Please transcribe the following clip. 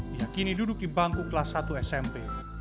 dia kini duduk di bangku kelas satu smp